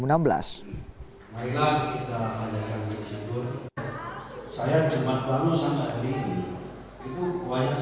perindo selamat sore dan selamat datang di dpp partai perindo